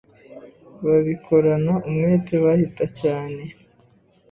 babikorana umwete bihta cyane.